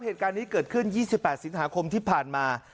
เหตุการณ์นี้เกิดขึ้น๒๘สิงหาคมที่ผ่านมา